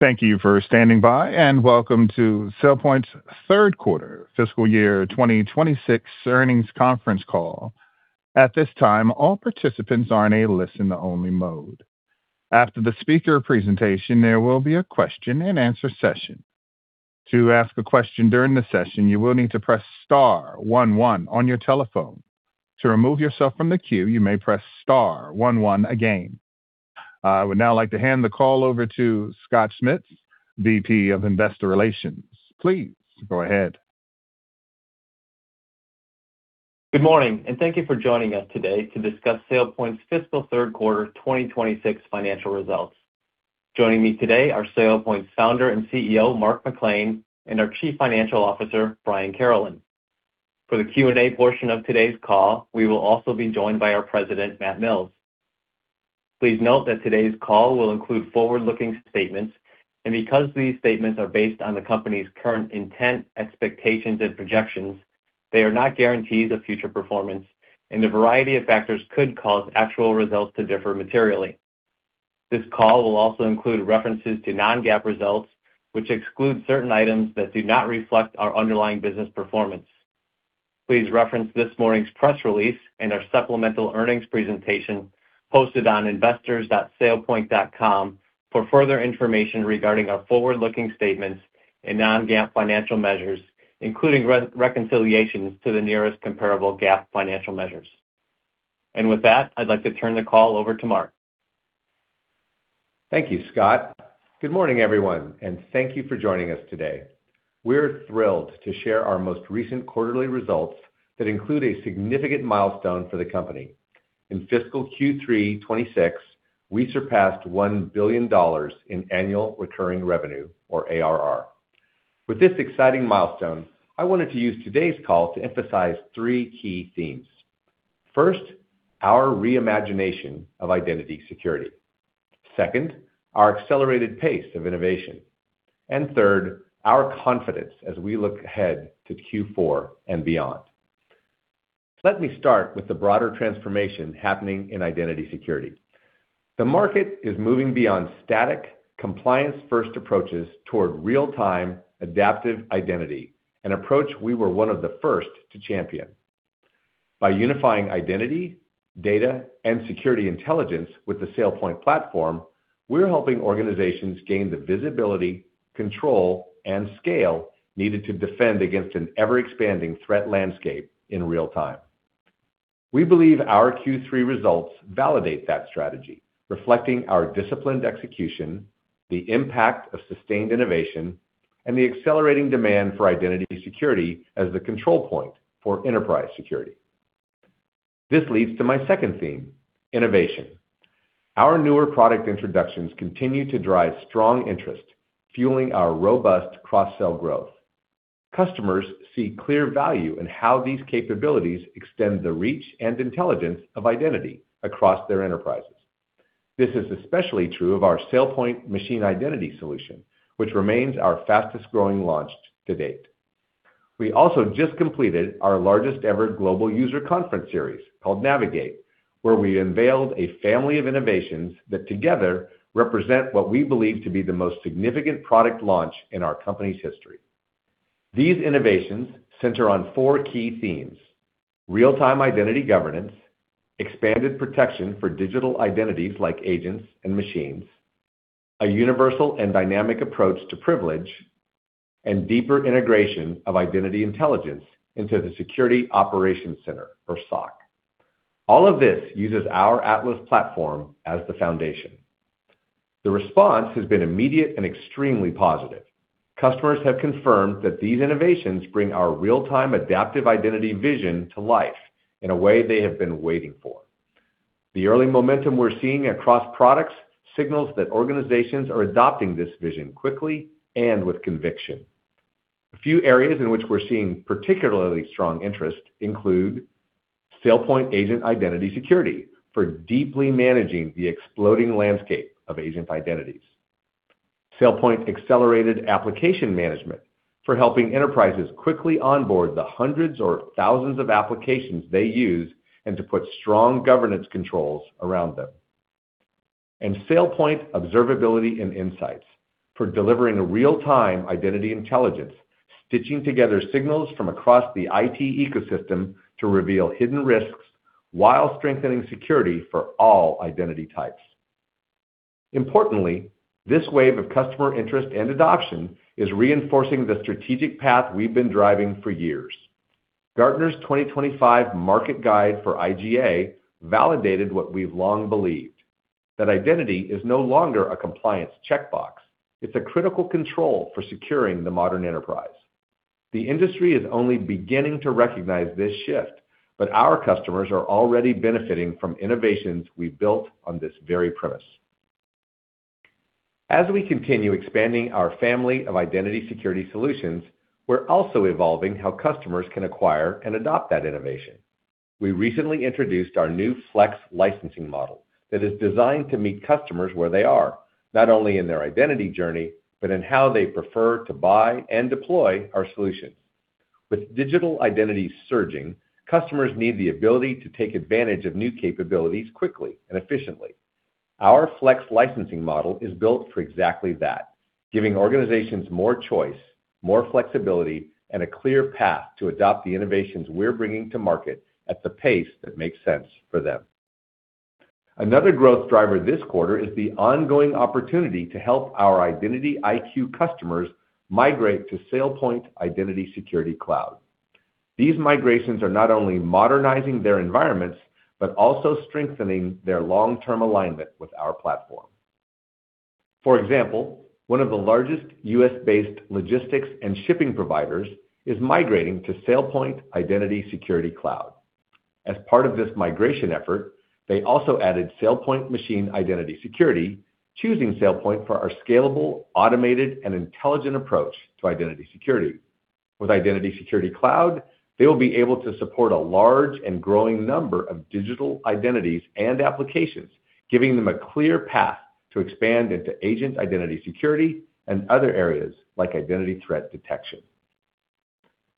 Thank you for standing by, and welcome to SailPoint's Third Quarter, Fiscal Year 2026 Earnings Conference Call. At this time, all participants are in a listen-only mode. After the speaker presentation, there will be a question-and-answer session. To ask a question during the session, you will need to press star one one on your telephone. To remove yourself from the queue, you may press star one one again. I would now like to hand the call over to Scott Schmitz, VP of Investor Relations. Please go ahead. Good morning, and thank you for joining us today to discuss SailPoint's fiscal third quarter 2026 financial results. Joining me today are SailPoint's founder and CEO, Mark McClain, and our Chief Financial Officer, Brian Carolan. For the Q&A portion of today's call, we will also be joined by our President, Matt Mills. Please note that today's call will include forward-looking statements, and because these statements are based on the company's current intent, expectations, and projections, they are not guarantees of future performance, and a variety of factors could cause actual results to differ materially. This call will also include references to non-GAAP results, which exclude certain items that do not reflect our underlying business performance. Please reference this morning's press release and our supplemental earnings presentation posted on investors.sailpoint.com for further information regarding our forward-looking statements and non-GAAP financial measures, including reconciliations to the nearest comparable GAAP financial measures. With that, I'd like to turn the call over to Mark. Thank you, Scott. Good morning, everyone, and thank you for joining us today. We're thrilled to share our most recent quarterly results that include a significant milestone for the company. In fiscal Q3 2026, we surpassed $1 billion in annual recurring revenue, or ARR. With this exciting milestone, I wanted to use today's call to emphasize three key themes. First, our reimagination of identity security. Second, our accelerated pace of innovation. And third, our confidence as we look ahead to Q4 and beyond. Let me start with the broader transformation happening in identity security. The market is moving beyond static, compliance-first approaches toward real-time, adaptive identity, an approach we were one of the first to champion. By unifying identity, data, and security intelligence with the SailPoint platform, we're helping organizations gain the visibility, control, and scale needed to defend against an ever-expanding threat landscape in real time. We believe our Q3 results validate that strategy, reflecting our disciplined execution, the impact of sustained innovation, and the accelerating demand for identity security as the control point for enterprise security. This leads to my second theme, innovation. Our newer product introductions continue to drive strong interest, fueling our robust cross-sell growth. Customers see clear value in how these capabilities extend the reach and intelligence of identity across their enterprises. This is especially true of our SailPoint Machine Identity Solution, which remains our fastest-growing launch to date. We also just completed our largest-ever global user conference series called Navigate, where we unveiled a family of innovations that together represent what we believe to be the most significant product launch in our company's history. These innovations center on four key themes: real-time identity governance, expanded protection for digital identities like agents and machines, a universal and dynamic approach to privilege, and deeper integration of identity intelligence into the Security Operations Center, or SOC. All of this uses our Atlas platform as the foundation. The response has been immediate and extremely positive. Customers have confirmed that these innovations bring our real-time adaptive identity vision to life in a way they have been waiting for. The early momentum we're seeing across products signals that organizations are adopting this vision quickly and with conviction. A few areas in which we're seeing particularly strong interest include SailPoint Agent Identity Security for deeply managing the exploding landscape of agent identities, SailPoint Accelerated Application Management for helping enterprises quickly onboard the hundreds or thousands of applications they use and to put strong governance controls around them, and SailPoint Observability and Insights for delivering real-time identity intelligence, stitching together signals from across the IT ecosystem to reveal hidden risks while strengthening security for all identity types. Importantly, this wave of customer interest and adoption is reinforcing the strategic path we've been driving for years. Gartner's 2025 Market Guide for IGA validated what we've long believed: that identity is no longer a compliance checkbox. It's a critical control for securing the modern enterprise. The industry is only beginning to recognize this shift, but our customers are already benefiting from innovations we've built on this very premise. As we continue expanding our family of identity security solutions, we're also evolving how customers can acquire and adopt that innovation. We recently introduced our new Flex licensing model that is designed to meet customers where they are, not only in their identity journey, but in how they prefer to buy and deploy our solutions. With digital identity surging, customers need the ability to take advantage of new capabilities quickly and efficiently. Our Flex licensing model is built for exactly that, giving organizations more choice, more flexibility, and a clear path to adopt the innovations we're bringing to market at the pace that makes sense for them. Another growth driver this quarter is the ongoing opportunity to help our IdentityIQ customers migrate to SailPoint Identity Security Cloud. These migrations are not only modernizing their environments but also strengthening their long-term alignment with our platform. For example, one of the largest U.S.-based logistics and shipping providers is migrating to SailPoint Identity Security Cloud. As part of this migration effort, they also added SailPoint Machine Identity Security, choosing SailPoint for our scalable, automated, and intelligent approach to identity security. With Identity Security Cloud, they will be able to support a large and growing number of digital identities and applications, giving them a clear path to expand into agent identity security and other areas like identity threat detection.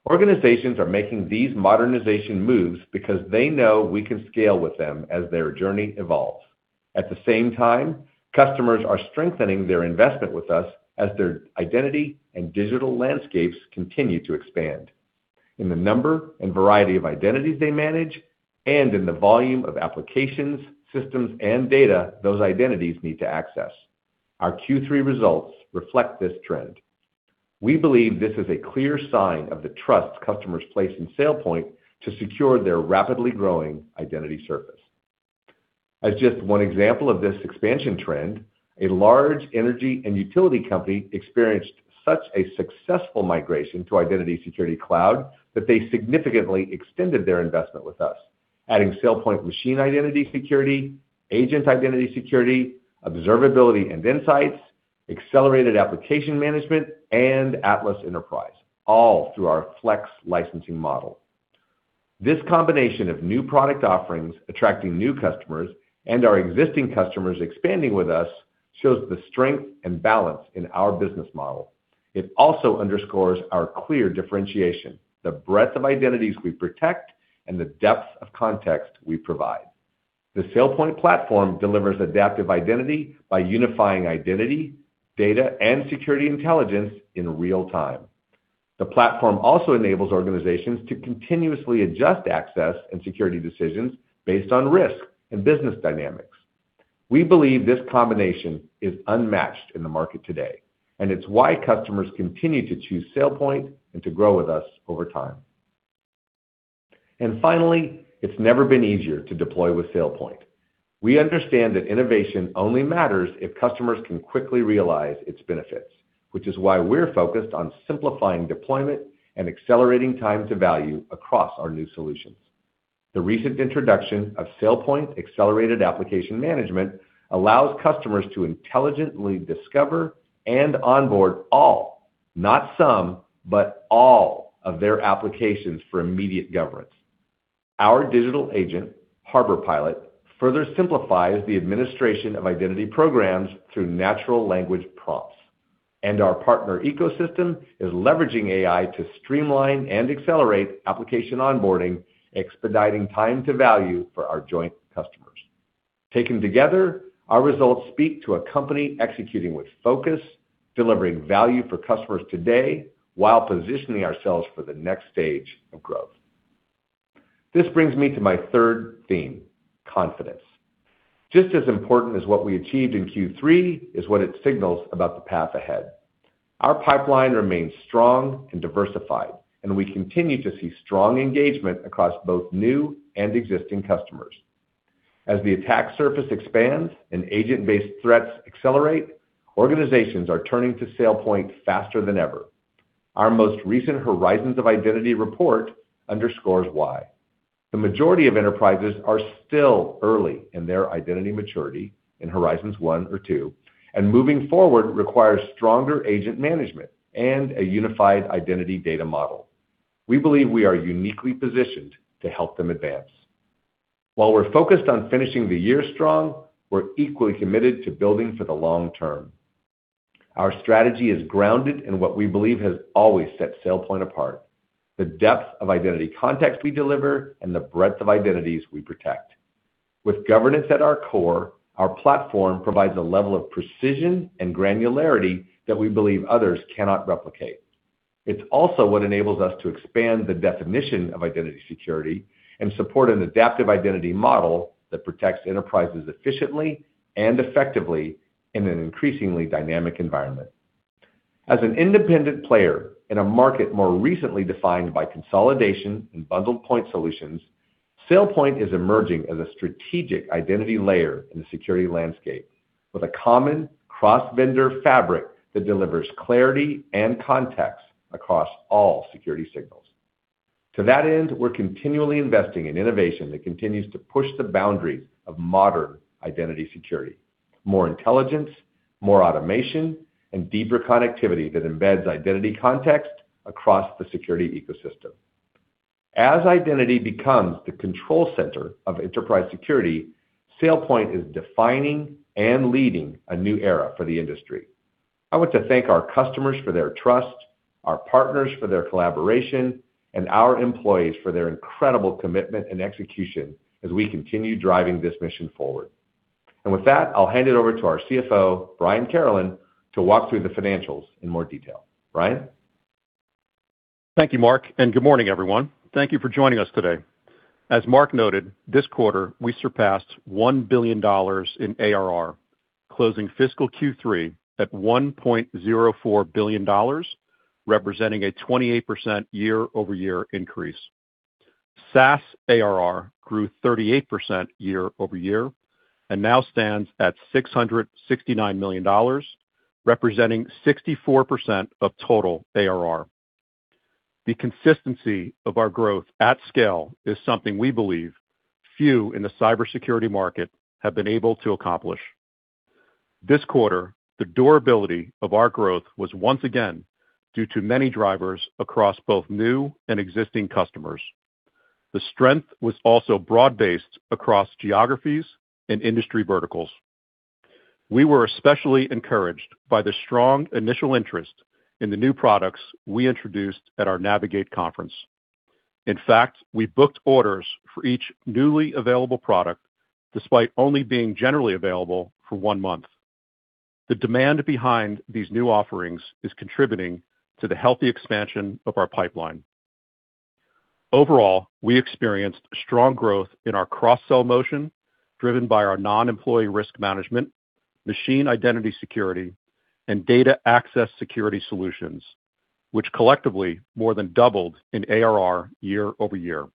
Organizations are making these modernization moves because they know we can scale with them as their journey evolves. At the same time, customers are strengthening their investment with us as their identity and digital landscapes continue to expand. In the number and variety of identities they manage and in the volume of applications, systems, and data those identities need to access, our Q3 results reflect this trend. We believe this is a clear sign of the trust customers place in SailPoint to secure their rapidly growing identity surface. As just one example of this expansion trend, a large energy and utility company experienced such a successful migration to Identity Security Cloud that they significantly extended their investment with us, adding SailPoint Machine Identity Security, Agent Identity Security, Observability and Insights, Accelerated Application Management, and Atlas Enterprise, all through our Flex licensing model. This combination of new product offerings, attracting new customers, and our existing customers expanding with us shows the strength and balance in our business model. It also underscores our clear differentiation, the breadth of identities we protect, and the depth of context we provide. The SailPoint platform delivers adaptive identity by unifying identity, data, and security intelligence in real time. The platform also enables organizations to continuously adjust access and security decisions based on risk and business dynamics. We believe this combination is unmatched in the market today, and it's why customers continue to choose SailPoint and to grow with us over time. And finally, it's never been easier to deploy with SailPoint. We understand that innovation only matters if customers can quickly realize its benefits, which is why we're focused on simplifying deployment and accelerating time to value across our new solutions. The recent introduction of SailPoint Accelerated Application Management allows customers to intelligently discover and onboard all, not some, but all of their applications for immediate governance. Our digital agent, Harbor Pilot, further simplifies the administration of identity programs through natural language prompts, and our partner ecosystem is leveraging AI to streamline and accelerate application onboarding, expediting time to value for our joint customers. Taken together, our results speak to a company executing with focus, delivering value for customers today while positioning ourselves for the next stage of growth. This brings me to my third theme, confidence. Just as important as what we achieved in Q3 is what it signals about the path ahead. Our pipeline remains strong and diversified, and we continue to see strong engagement across both new and existing customers. As the attack surface expands and agent-based threats accelerate, organizations are turning to SailPoint faster than ever. Our most recent Horizons of Identity report underscores why. The majority of enterprises are still early in their identity maturity in Horizons 1 or 2, and moving forward requires stronger agent management and a unified identity data model. We believe we are uniquely positioned to help them advance. While we're focused on finishing the year strong, we're equally committed to building for the long term. Our strategy is grounded in what we believe has always set SailPoint apart: the depth of identity context we deliver and the breadth of identities we protect. With governance at our core, our platform provides a level of precision and granularity that we believe others cannot replicate. It's also what enables us to expand the definition of identity security and support an adaptive identity model that protects enterprises efficiently and effectively in an increasingly dynamic environment. As an independent player in a market more recently defined by consolidation and bundled point solutions, SailPoint is emerging as a strategic identity layer in the security landscape with a common cross-vendor fabric that delivers clarity and context across all security signals. To that end, we're continually investing in innovation that continues to push the boundaries of modern identity security: more intelligence, more automation, and deeper connectivity that embeds identity context across the security ecosystem. As identity becomes the control center of enterprise security, SailPoint is defining and leading a new era for the industry. I want to thank our customers for their trust, our partners for their collaboration, and our employees for their incredible commitment and execution as we continue driving this mission forward. And with that, I'll hand it over to our CFO, Brian Carolan, to walk through the financials in more detail. Brian? Thank you, Mark, and good morning, everyone. Thank you for joining us today. As Mark noted, this quarter, we surpassed $1 billion in ARR, closing fiscal Q3 at $1.04 billion, representing a 28% year-over-year increase. SaaS ARR grew 38% year-over-year and now stands at $669 million, representing 64% of total ARR. The consistency of our growth at scale is something we believe few in the cybersecurity market have been able to accomplish. This quarter, the durability of our growth was once again due to many drivers across both new and existing customers. The strength was also broad-based across geographies and industry verticals. We were especially encouraged by the strong initial interest in the new products we introduced at our Navigate conference. In fact, we booked orders for each newly available product despite only being generally available for one month. The demand behind these new offerings is contributing to the healthy expansion of our pipeline. Overall, we experienced strong growth in our cross-sell motion driven by our Non-Employee Risk Management, Machine Identity Security, and Data Access Security solutions, which collectively more than doubled in ARR year-over-year.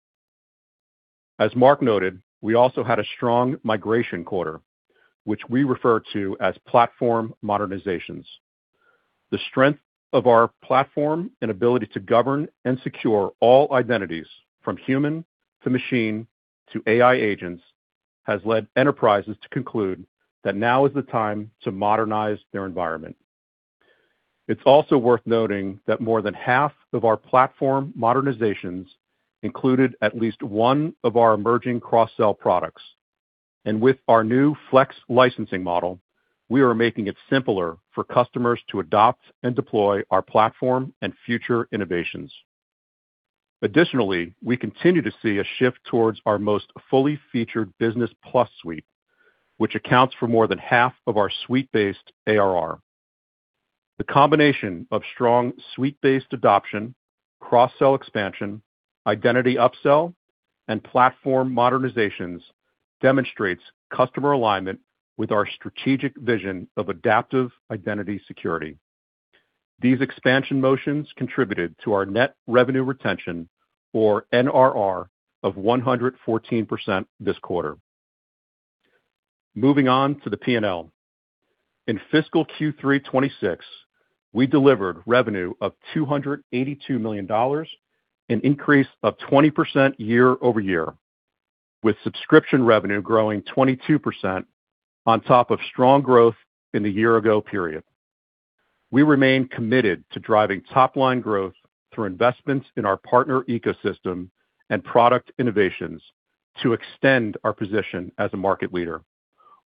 As Mark noted, we also had a strong migration quarter, which we refer to as platform modernizations. The strength of our platform and ability to govern and secure all identities from human to machine to AI agents has led enterprises to conclude that now is the time to modernize their environment. It's also worth noting that more than half of our platform modernizations included at least one of our emerging cross-sell products, and with our new Flex licensing model, we are making it simpler for customers to adopt and deploy our platform and future innovations. Additionally, we continue to see a shift towards our most fully featured Business Plus suite, which accounts for more than half of our suite-based ARR. The combination of strong suite-based adoption, cross-sell expansion, identity upsell, and platform modernizations demonstrates customer alignment with our strategic vision of adaptive identity security. These expansion motions contributed to our net revenue retention, or NRR, of 114% this quarter. Moving on to the P&L. In fiscal Q3 2026, we delivered revenue of $282 million and an increase of 20% year-over-year, with subscription revenue growing 22% on top of strong growth in the year-ago period. We remain committed to driving top-line growth through investments in our partner ecosystem and product innovations to extend our position as a market leader,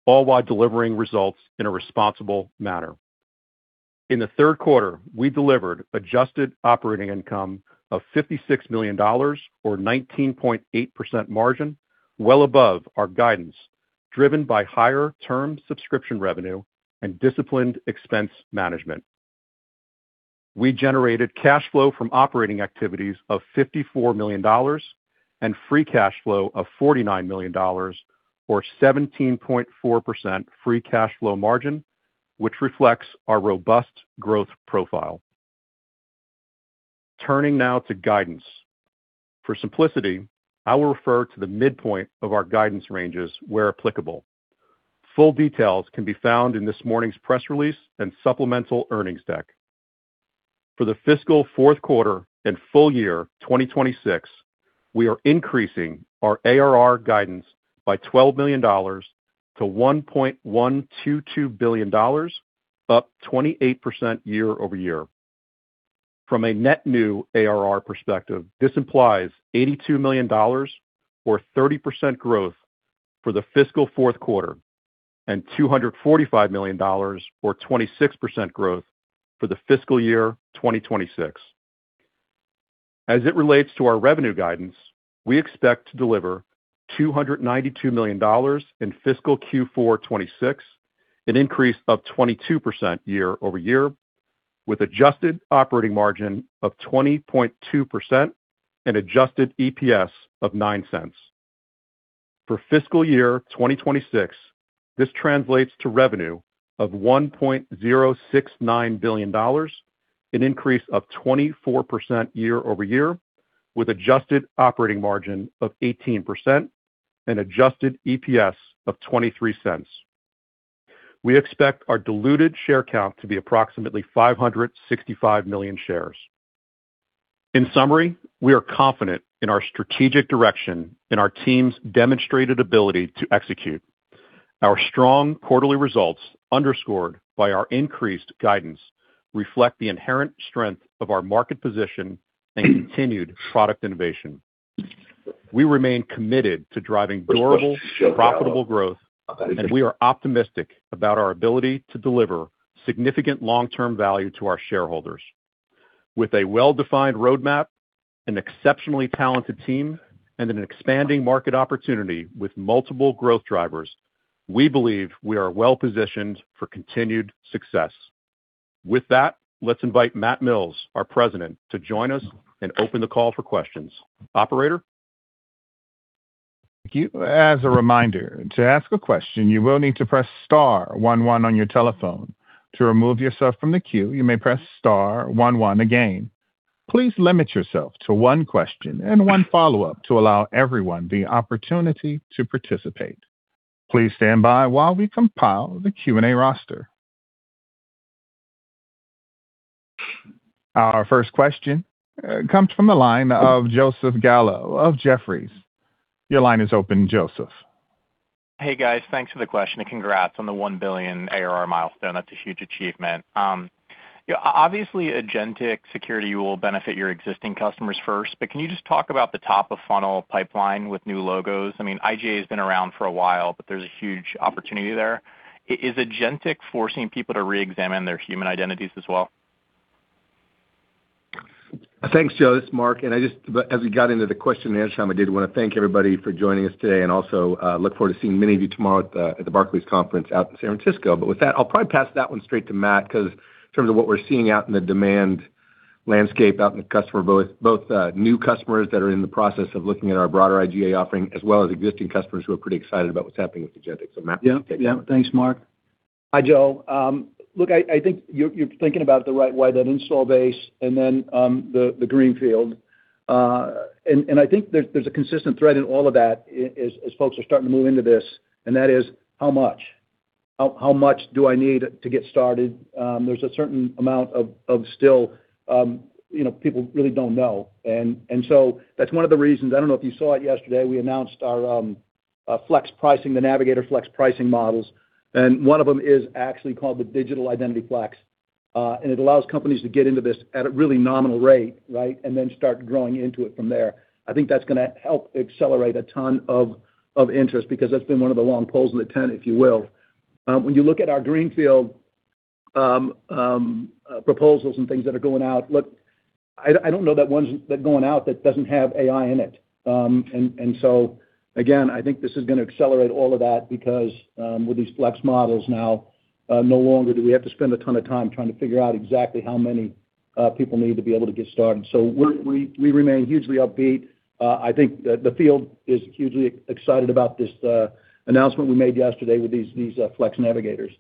all while delivering results in a responsible manner. In the third quarter, we delivered adjusted operating income of $56 million, or a 19.8% margin, well above our guidance driven by higher term subscription revenue and disciplined expense management. We generated cash flow from operating activities of $54 million and free cash flow of $49 million, or a 17.4% free cash flow margin, which reflects our robust growth profile. Turning now to guidance. For simplicity, I will refer to the midpoint of our guidance ranges where applicable. Full details can be found in this morning's press release and supplemental earnings deck. For the fiscal fourth quarter and full year 2026, we are increasing our ARR guidance by $12 million to $1.122 billion, up 28% year-over-year. From a net new ARR perspective, this implies $82 million, or 30% growth for the fiscal fourth quarter, and $245 million, or 26% growth for the fiscal year 2026. As it relates to our revenue guidance, we expect to deliver $292 million in fiscal Q4 2026, an increase of 22% year-over-year, with an adjusted operating margin of 20.2% and an adjusted EPS of $0.09. For fiscal year 2026, this translates to revenue of $1.069 billion, an increase of 24% year-over-year, with an adjusted operating margin of 18% and an adjusted EPS of $0.23. We expect our diluted share count to be approximately 565 million shares. In summary, we are confident in our strategic direction and our team's demonstrated ability to execute. Our strong quarterly results, underscored by our increased guidance, reflect the inherent strength of our market position and continued product innovation. We remain committed to driving durable, profitable growth, and we are optimistic about our ability to deliver significant long-term value to our shareholders. With a well-defined roadmap, an exceptionally talented team, and an expanding market opportunity with multiple growth drivers, we believe we are well-positioned for continued success. With that, let's invite Matt Mills, our President, to join us and open the call for questions. Operator? Thank you. As a reminder, to ask a question, you will need to press star one one on your telephone. To remove yourself from the queue, you may press star one one again. Please limit yourself to one question and one follow-up to allow everyone the opportunity to participate. Please stand by while we compile the Q&A roster. Our first question comes from the line of Joseph Gallo of Jefferies. Your line is open, Joseph. Hey, guys. Thanks for the question and congrats on the $1 billion ARR milestone. That's a huge achievement. Obviously, Agentic security will benefit your existing customers first, but can you just talk about the top-of-funnel pipeline with new logos? I mean, IGA has been around for a while, but there's a huge opportunity there. Is Agentic forcing people to re-examine their human identities as well? Thanks, Joseph, Mark. And I just, as we got into the question and answer time, I did want to thank everybody for joining us today and also look forward to seeing many of you tomorrow at the Barclays Conference out in San Francisco. But with that, I'll probably pass that one straight to Matt because in terms of what we're seeing out in the demand landscape out in the customer, both new customers that are in the process of looking at our broader IGA offering as well as existing customers who are pretty excited about what's happening with Agentic. So Matt, you can take that. Yeah. Thanks, Mark. Hi, Joe. Look, I think you're thinking about the right way that installed base and then the greenfield. And I think there's a consistent thread in all of that as folks are starting to move into this, and that is how much. How much do I need to get started? There's a certain amount of still people really don't know. And so that's one of the reasons. I don't know if you saw it yesterday. We announced our Flex pricing, the Flex Navigators pricing models. And one of them is actually called the Digital identity Flex. And it allows companies to get into this at a really nominal rate, right, and then start growing into it from there. I think that's going to help accelerate a ton of interest because that's been one of the long poles in the tent, if you will. When you look at our greenfield proposals and things that are going out, look, I don't know that one's going out that doesn't have AI in it. And so, again, I think this is going to accelerate all of that because with these Flex models now, no longer do we have to spend a ton of time trying to figure out exactly how many people need to be able to get started. So we remain hugely upbeat. I think the field is hugely excited about this announcement we made yesterday with these Flex Navigators.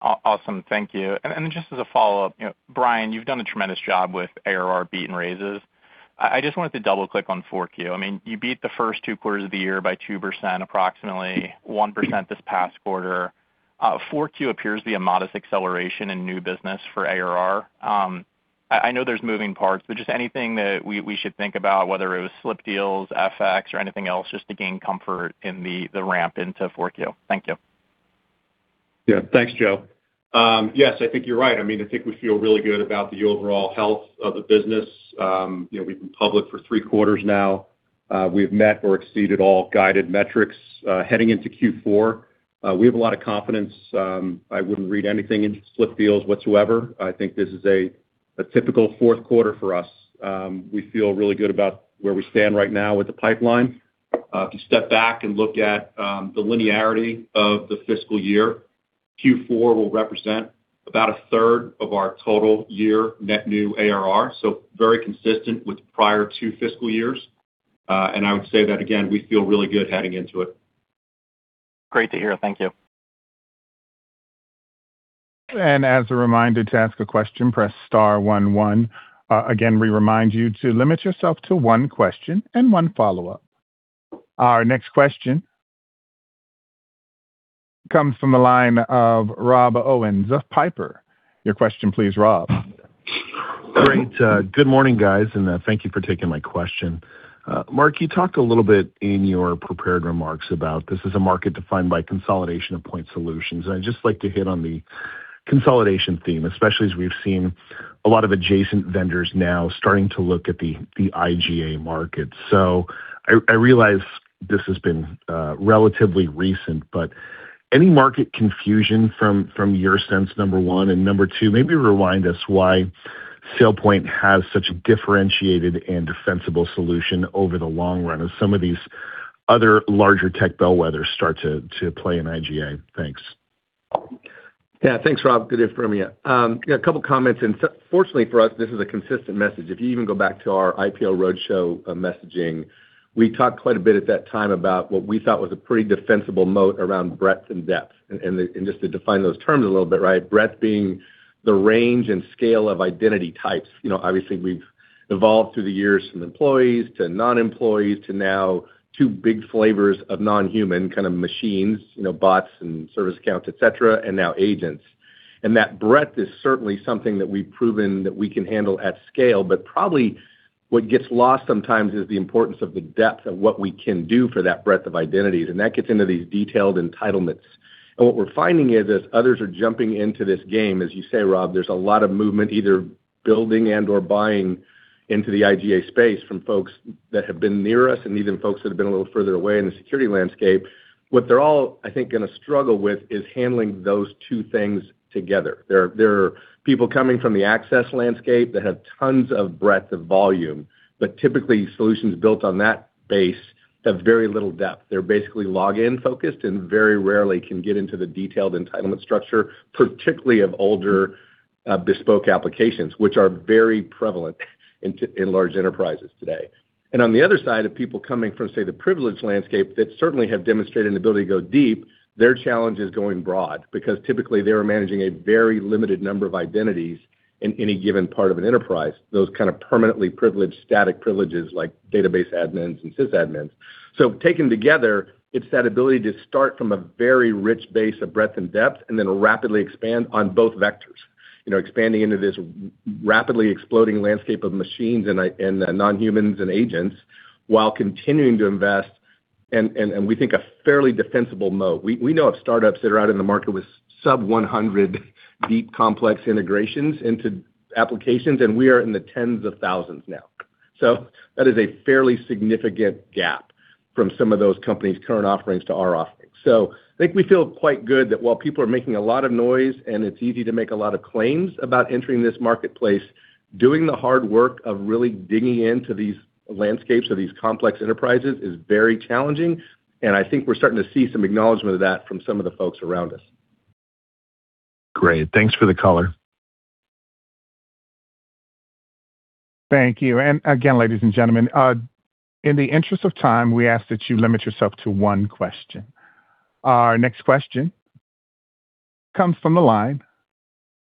Awesome. Thank you. And then just as a follow-up, Brian, you've done a tremendous job with ARR beat and raises. I just wanted to double-click on 4Q. I mean, you beat the first two quarters of the year by 2%, approximately 1% this past quarter. 4Q appears to be a modest acceleration in new business for ARR. I know there's moving parts, but just anything that we should think about, whether it was slip deals, FX, or anything else, just to gain comfort in the ramp into 4Q. Thank you. Yeah. Thanks, Joe. Yes, I think you're right. I mean, I think we feel really good about the overall health of the business. We've been public for three quarters now. We've met or exceeded all guided metrics heading into Q4. We have a lot of confidence. I wouldn't read anything in slip deals whatsoever. I think this is a typical fourth quarter for us. We feel really good about where we stand right now with the pipeline. If you step back and look at the linearity of the fiscal year, Q4 will represent about a third of our total year-net new ARR, so very consistent with prior two fiscal years. And I would say that, again, we feel really good heading into it. Great to hear. Thank you. And as a reminder to ask a question, press star one one. Again, we remind you to limit yourself to one question and one follow-up. Our next question comes from the line of Rob Owens of Piper. Your question, please, Rob. Great. Good morning, guys, and thank you for taking my question. Mark, you talked a little bit in your prepared remarks about this: this is a market defined by consolidation of point solutions. And I'd just like to hit on the consolidation theme, especially as we've seen a lot of adjacent vendors now starting to look at the IGA market. So I realize this has been relatively recent, but any market confusion from your sense, number one, and number two, maybe rewind us why SailPoint has such a differentiated and defensible solution over the long run as some of these other larger tech bellwethers start to play in IGA. Thanks. Yeah. Thanks, Rob. Good info from you. A couple of comments, and fortunately for us, this is a consistent message. If you even go back to our IPO roadshow messaging, we talked quite a bit at that time about what we thought was a pretty defensible moat around breadth and depth. And just to define those terms a little bit, right, breadth being the range and scale of identity types. Obviously, we've evolved through the years from employees to non-employees to now two big flavors of non-human kind of machines, bots and service accounts, etc., and now agents. And that breadth is certainly something that we've proven that we can handle at scale. But probably what gets lost sometimes is the importance of the depth of what we can do for that breadth of identities. And that gets into these detailed entitlements. And what we're finding is as others are jumping into this game, as you say, Rob, there's a lot of movement, either building and/or buying into the IGA space from folks that have been near us and even folks that have been a little further away in the security landscape. What they're all, I think, going to struggle with is handling those two things together. There are people coming from the access landscape that have tons of breadth of volume, but typically solutions built on that base have very little depth. They're basically login-focused and very rarely can get into the detailed entitlement structure, particularly of older bespoke applications, which are very prevalent in large enterprises today, and on the other side of people coming from, say, the privileged landscape that certainly have demonstrated an ability to go deep, their challenge is going broad because typically they're managing a very limited number of identities in any given part of an enterprise, those kind of permanently privileged static privileges like database admins and sysadmins. Taken together, it's that ability to start from a very rich base of breadth and depth and then rapidly expand on both vectors, expanding into this rapidly exploding landscape of machines and non-humans and agents while continuing to invest, and we think, a fairly defensible moat. We know of startups that are out in the market with sub-100 deep complex integrations into applications, and we are in the tens of thousands now. That is a fairly significant gap from some of those companies' current offerings to our offerings. I think we feel quite good that while people are making a lot of noise and it's easy to make a lot of claims about entering this marketplace, doing the hard work of really digging into these landscapes of these complex enterprises is very challenging. I think we're starting to see some acknowledgment of that from some of the folks around us. Great. Thanks for the color. Thank you. And again, ladies and gentlemen, in the interest of time, we ask that you limit yourself to one question. Our next question comes from the line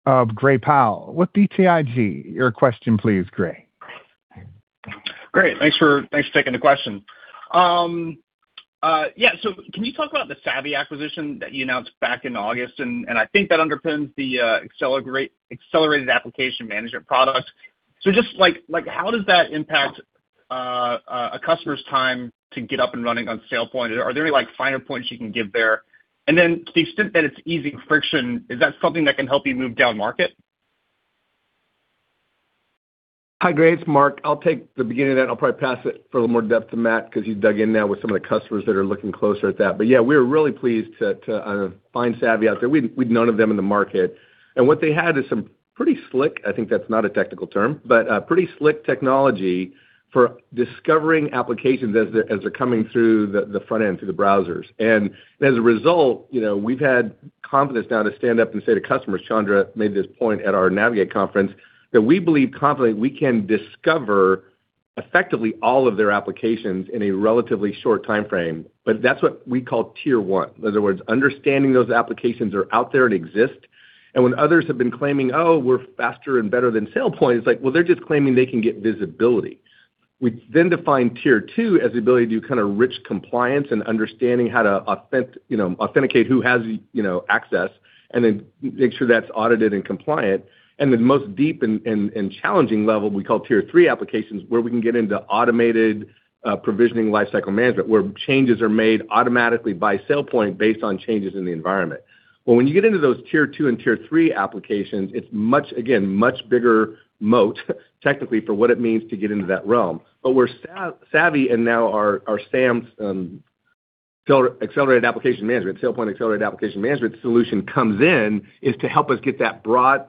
of Gray Powell with BTIG. Your question, please, Gray. Great. Thanks for taking the question. Yeah. So can you talk about the Savvy acquisition that you announced back in August? And I think that underpins the accelerated application management product. So just how does that impact a customer's time to get up and running on SailPoint? Are there any finer points you can give there? And then to the extent that it's easing friction, is that something that can help you move down market? Hi, Gray. It's Mark. I'll take the beginning of that. I'll probably pass it for a little more depth to Matt because he's dug in now with some of the customers that are looking closer at that. But yeah, we are really pleased to find Savvy out there. We'd known of them in the market. And what they had is some pretty slick, I think that's not a technical term, but pretty slick technology for discovering applications as they're coming through the front end, through the browsers. And as a result, we've had confidence now to stand up and say to customers, Chandra made this point at our Navigate Conference, that we believe confidently we can discover effectively all of their applications in a relatively short timeframe. But that's what we call tier one. In other words, understanding those applications are out there and exist. When others have been claiming, "Oh, we're faster and better than SailPoint," it's like, "Well, they're just claiming they can get visibility." We then define tier two as the ability to do kind of rich compliance and understanding how to authenticate who has access and then make sure that's audited and compliant. The most deep and challenging level we call tier three applications where we can get into automated provisioning lifecycle management where changes are made automatically by SailPoint based on changes in the environment. When you get into those tier two and tier three applications, it's much, again, much bigger moat technically for what it means to get into that realm. But where Savvy and now our SAAM's Accelerated Application Management, SailPoint Accelerated Application Management solution comes in is to help us get that broad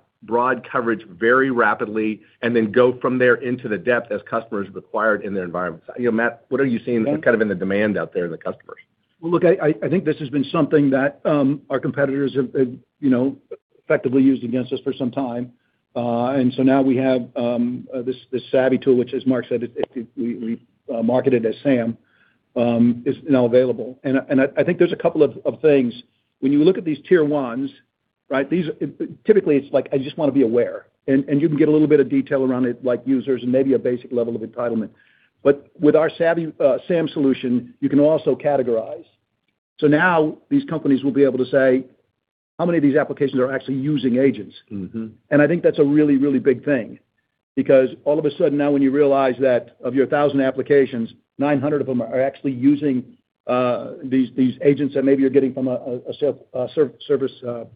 coverage very rapidly and then go from there into the depth as customers required in their environments. Matt, what are you seeing kind of in the demand out there in the customers? Well, look, I think this has been something that our competitors have effectively used against us for some time. And so now we have this Savvy tool, which, as Mark said, we marketed as SAAM, is now available. And I think there's a couple of things. When you look at these tier ones, right, typically it's like, "I just want to be aware." And you can get a little bit of detail around it, like users and maybe a basic level of entitlement. But with our SAAM solution, you can also categorize. So now these companies will be able to say, "How many of these applications are actually using agents?" And I think that's a really, really big thing because all of a sudden now when you realize that of your 1,000 applications, 900 of them are actually using these agents that maybe you're getting from a ServiceNow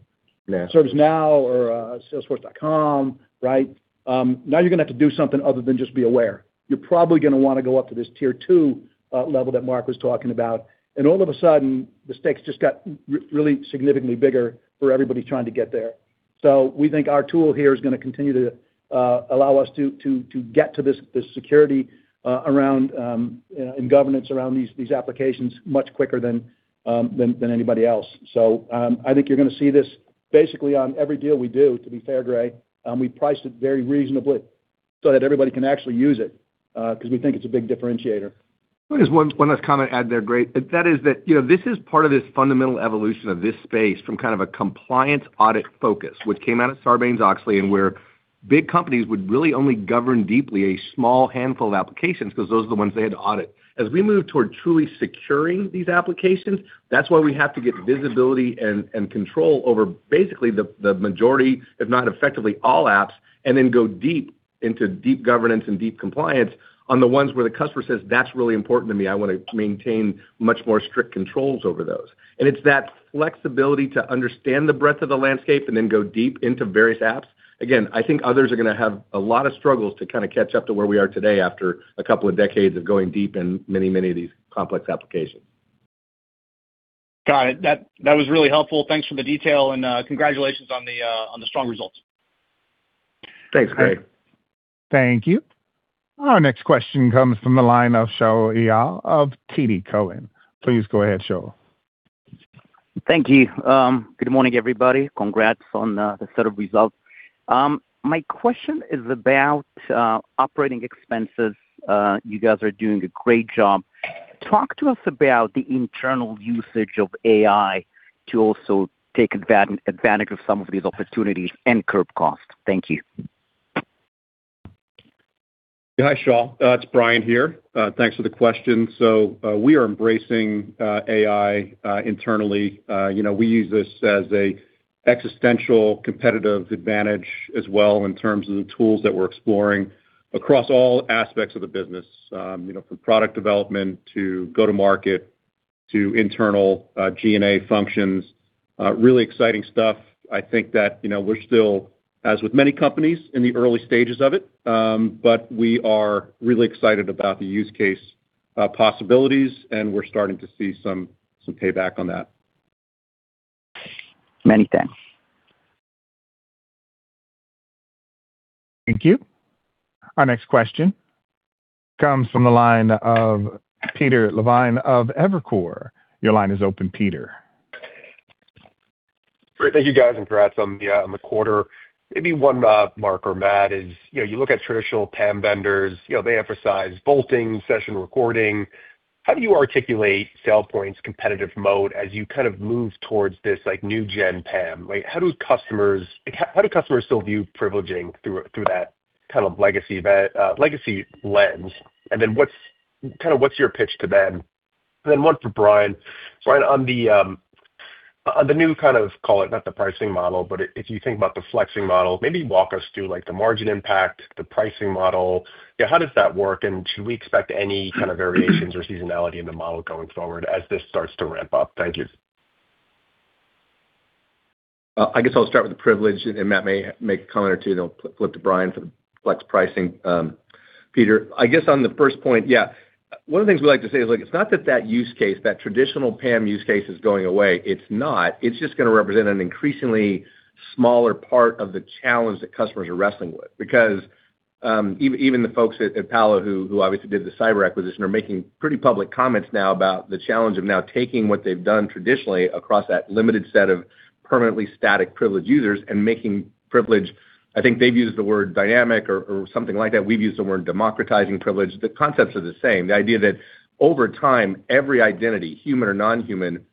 or Salesforce.com, right? Now you're going to have to do something other than just be aware. You're probably going to want to go up to this tier two level that Mark was talking about. And all of a sudden, the stakes just got really significantly bigger for everybody trying to get there. So we think our tool here is going to continue to allow us to get to this security around and governance around these applications much quicker than anybody else. So I think you're going to see this basically on every deal we do, to be fair, Gray. We price it very reasonably so that everybody can actually use it because we think it's a big differentiator. One last comment I'd add there, Gray, that is that this is part of this fundamental evolution of this space from kind of a compliance audit focus, which came out of Sarbanes-Oxley and where big companies would really only govern deeply a small handful of applications because those are the ones they had to audit. As we move toward truly securing these applications, that's why we have to get visibility and control over basically the majority, if not effectively all apps, and then go deep into deep governance and deep compliance on the ones where the customer says, "That's really important to me. I want to maintain much more strict controls over those." And it's that flexibility to understand the breadth of the landscape and then go deep into various apps. Again, I think others are going to have a lot of struggles to kind of catch up to where we are today after a couple of decades of going deep in many, many of these complex applications. Got it. That was really helpful. Thanks for the detail and congratulations on the strong results. Thanks, Gray. Thank you. Our next question comes from the line of Shaul Eyal of TD Cowen. Please go ahead, Shaul. Thank you. Good morning, everybody. Congrats on the set of results. My question is about operating expenses. You guys are doing a great job. Talk to us about the internal usage of AI to also take advantage of some of these opportunities and curb costs. Thank you. Hi, Shaul. It's Brian here. Thanks for the question. So we are embracing AI internally. We use this as an existential competitive advantage as well in terms of the tools that we're exploring across all aspects of the business, from product development to go-to-market to internal G&A functions. Really exciting stuff. I think that we're still, as with many companies, in the early stages of it, but we are really excited about the use case possibilities, and we're starting to see some payback on that. Many thanks. Thank you. Our next question comes from the line of Peter Levine of Evercore. Your line is open, Peter. Great. Thank you, guys, and congrats on the quarter. Maybe one marker, Matt, is you look at traditional PAM vendors. They emphasize bolting, session recording. How do you articulate SailPoint's competitive moat as you kind of move towards this new-gen PAM? How do customers still view privileging through that kind of legacy lens? And then kind of what's your pitch to them? And then one for Brian. Brian, on the new kind of, call it not the pricing model, but if you think about the flexing model, maybe walk us through the margin impact, the pricing model. How does that work? And should we expect any kind of variations or seasonality in the model going forward as this starts to ramp up? Thank you. I guess I'll start with the privilege, and Matt may make a comment or two. Then I'll flip to Brian for the Flex pricing. Peter, I guess on the first point, yeah, one of the things we like to say is it's not that that use case, that traditional PAM use case is going away. It's not. It's just going to represent an increasingly smaller part of the challenge that customers are wrestling with because even the folks at Palo who obviously did the cyber acquisition are making pretty public comments now about the challenge of now taking what they've done traditionally across that limited set of permanently static privileged users and making privilege. I think they've used the word dynamic or something like that. We've used the word democratizing privilege. The concepts are the same. The idea that over time, every identity, human or non-human,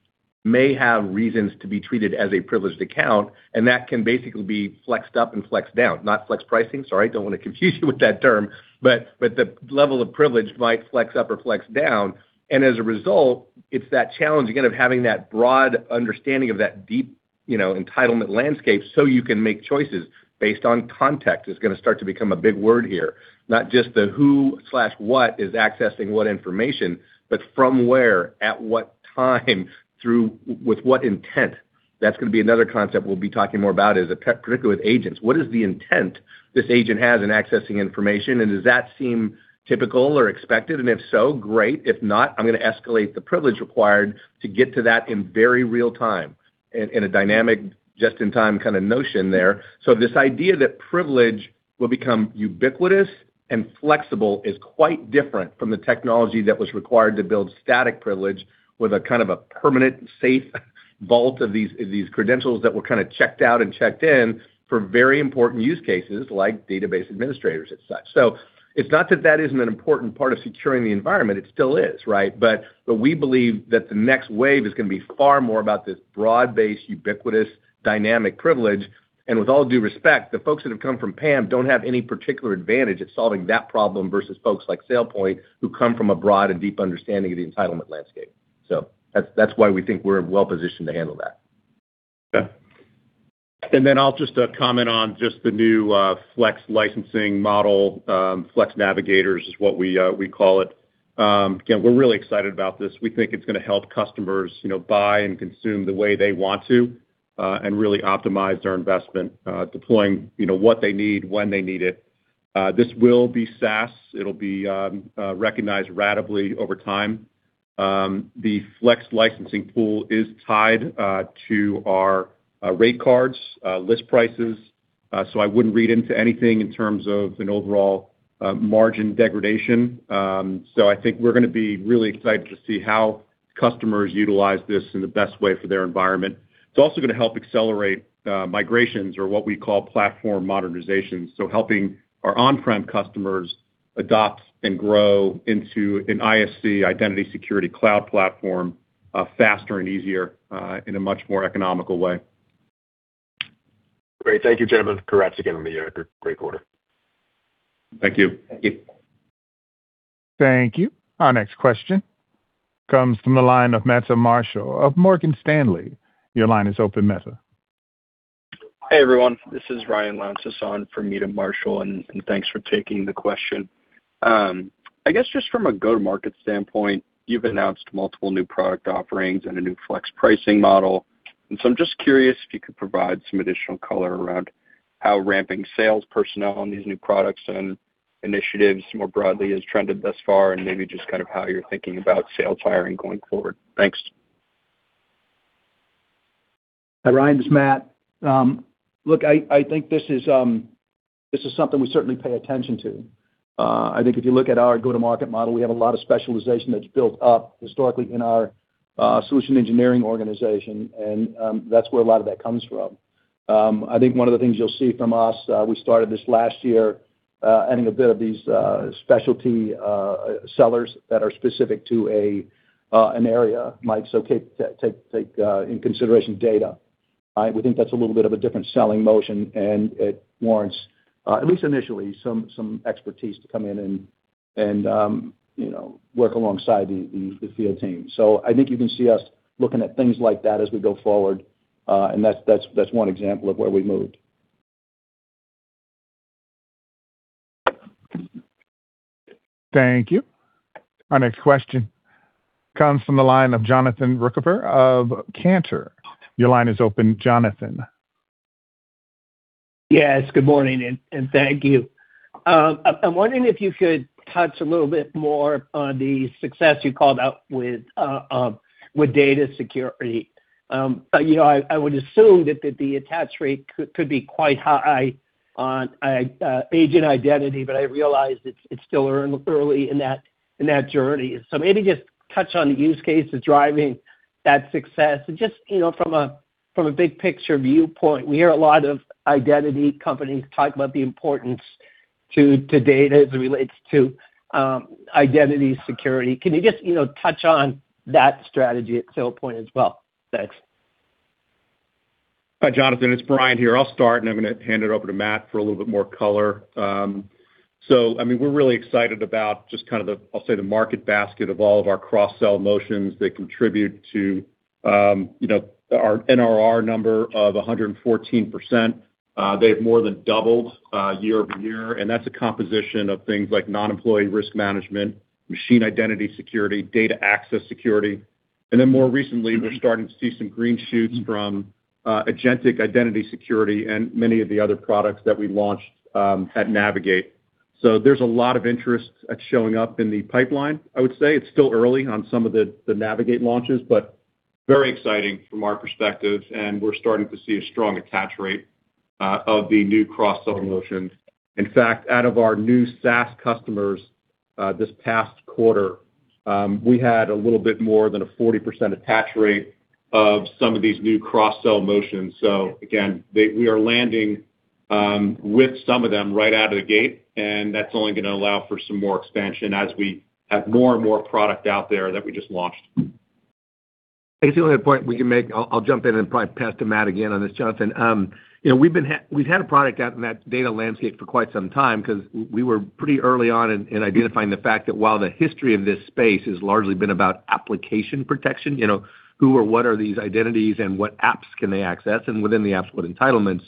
may have reasons to be treated as a privileged account, and that can basically be Flex up and Flex down. Not Flex pricing, sorry. I don't want to confuse you with that term, but the level of privilege might Flex up or Flex down. As a result, it's that challenge, again, of having that broad understanding of that deep entitlement landscape so you can make choices based on context. That is going to start to become a big word here. Not just the who/what is accessing what information, but from where, at what time, with what intent. That's going to be another concept we'll be talking more about, particularly with agents. What is the intent this agent has in accessing information? And does that seem typical or expected? And if so, great. If not, I'm going to escalate the privilege required to get to that in very real time in a dynamic just-in-time kind of notion there. So this idea that privilege will become ubiquitous and flexible is quite different from the technology that was required to build static privilege with a kind of a permanent safe vault of these credentials that were kind of checked out and checked in for very important use cases like database administrators and such. So it's not that that isn't an important part of securing the environment. It still is, right? But we believe that the next wave is going to be far more about this broad-based, ubiquitous, dynamic privilege. And with all due respect, the folks that have come from PAM don't have any particular advantage at solving that problem versus folks like SailPoint who come from a broad and deep understanding of the entitlement landscape. So that's why we think we're well-positioned to handle that. Okay. And then I'll just comment on just the new Flex licensing model. Flex Navigators is what we call it. Again, we're really excited about this. We think it's going to help customers buy and consume the way they want to and really optimize their investment, deploying what they need when they need it. This will be SaaS. It'll be recognized ratably over time. The Flex licensing pool is tied to our rate cards, list prices. So I wouldn't read into anything in terms of an overall margin degradation. So I think we're going to be really excited to see how customers utilize this in the best way for their environment. It's also going to help accelerate migrations or what we call platform modernization. So helping our on-prem customers adopt and grow into an ISC Identity Security Cloud platform faster and easier in a much more economical way. Great. Thank you, gentlemen. Congrats again on the great quarter. Thank you. Thank you. Thank you. Our next question comes from the line of Meta Marshall of Morgan Stanley. Your line is open, Meta. Hey, everyone. This is Ryan Lancelot from Meta Marshall, and thanks for taking the question. I guess just from a go-to-market standpoint, you've announced multiple new product offerings and a new Flex pricing model. And so I'm just curious if you could provide some additional color around how ramping sales personnel on these new products and initiatives more broadly has trended thus far and maybe just kind of how you're thinking about sales hiring going forward. Thanks. Hi, Ryan. This is Matt. Look, I think this is something we certainly pay attention to. I think if you look at our go-to-market model, we have a lot of specialization that's built up historically in our solution engineering organization, and that's where a lot of that comes from. I think one of the things you'll see from us, we started this last year adding a bit of these specialty sellers that are specific to an area might take in consideration data. We think that's a little bit of a different selling motion, and it warrants, at least initially, some expertise to come in and work alongside the field team. So I think you can see us looking at things like that as we go forward, and that's one example of where we moved. Thank you. Our next question comes from the line of Jonathan Ruykhaver of Cantor Fitzgerald. Your line is open, Jonathan. Yes. Good morning, and thank you. I'm wondering if you could touch a little bit more on the success you called out with data security. I would assume that the attach rate could be quite high on agent identity, but I realize it's still early in that journey. So maybe just touch on the use case that's driving that success. And just from a big-picture viewpoint, we hear a lot of identity companies talk about the importance to data as it relates to identity security. Can you just touch on that strategy at SailPoint as well? Thanks. Hi, Jonathan. It's Brian here. I'll start, and I'm going to hand it over to Matt for a little bit more color. So, I mean, we're really excited about just kind of the, I'll say, the market basket of all of our cross-sell motions that contribute to our NRR number of 114%. They've more than doubled year-over-year, and that's a composition of things like Non-Employee Risk Management, Machine Identity Security, Data Access Security. And then more recently, we're starting to see some green shoots from Agent Identity Security and many of the other products that we launched at Navigate. So there's a lot of interest showing up in the pipeline, I would say. It's still early on some of the Navigate launches, but very exciting from our perspective, and we're starting to see a strong attach rate of the new cross-sell motion. In fact, out of our new SaaS customers this past quarter, we had a little bit more than a 40% attach rate of some of these new cross-sell motions. So, again, we are landing with some of them right out of the gate, and that's only going to allow for some more expansion as we have more and more product out there that we just launched. I guess the only point we can make. I'll jump in and probably pass to Matt again on this, Jonathan. We've had a product out in that data landscape for quite some time because we were pretty early on in identifying the fact that while the history of this space has largely been about application protection, who or what are these identities and what apps can they access, and within the apps what entitlements?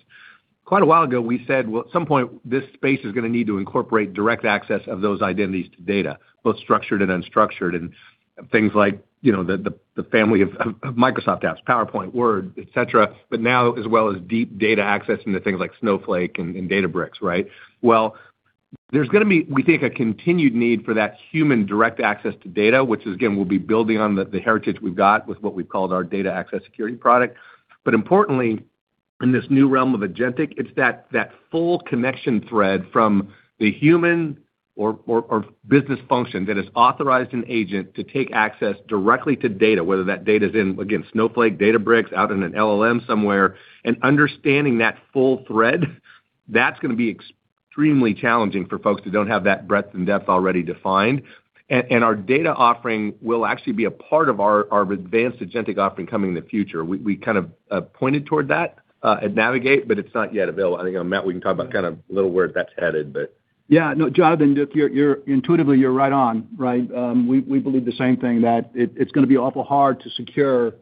Quite a while ago, we said, "Well, at some point, this space is going to need to incorporate direct access of those identities to data, both structured and unstructured," and things like the family of Microsoft apps, PowerPoint, Word, etc., but now as well as deep data access into things like Snowflake and Databricks, right? There's going to be, we think, a continued need for that human direct access to data, which is, again, we'll be building on the heritage we've got with what we've called our Data Access Security product. But importantly, in this new realm of Agentic, it's that full connection thread from the human or business function that has authorized an agent to take access directly to data, whether that data is in, again, Snowflake, Databricks, out in an LLM somewhere, and understanding that full thread. That's going to be extremely challenging for folks who don't have that breadth and depth already defined, and our data offering will actually be a part of our advanced Agentic offering coming in the future. We kind of pointed toward that at Navigate, but it's not yet available. I think, Matt, we can talk about kind of a little where that's headed, but. Yeah. No, Jonathan, intuitively, you're right on, right? We believe the same thing, that it's going to be awful hard to secure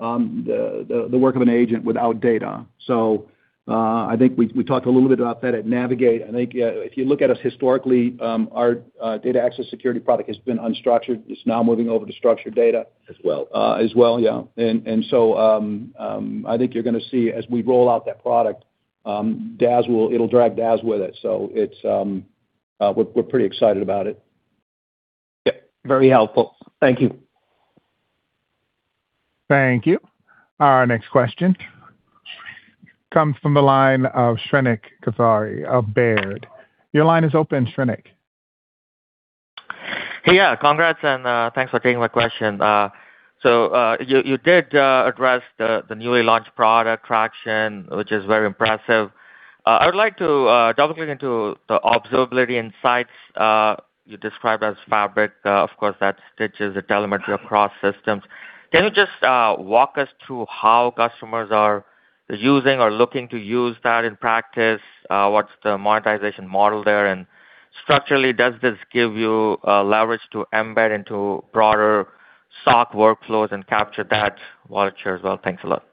the work of an agent without data. So I think we talked a little bit about that at Navigate. I think if you look at us historically, our Data Access Security product has been unstructured. It's now moving over to structured data as well. Yeah. I think you're going to see as we roll out that product, it'll drag DAS with it. So we're pretty excited about it. Yeah. Very helpful. Thank you. Thank you. Our next question comes from the line of Shrenik Kothari of Baird. Your line is open, Shrenik. Hey, yeah. Congrats and thanks for taking my question. So you did address the newly launched product traction, which is very impressive. I would like to double-click into the observability insights you described as fabric. Of course, that stitches the telemetry across systems. Can you just walk us through how customers are using or looking to use that in practice? What's the monetization model there? And structurally, does this give you leverage to embed into broader SOC workflows and capture that value there as well? Thanks a lot.